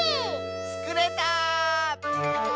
つくれた！